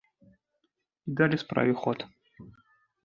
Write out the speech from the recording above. І далі справе ход.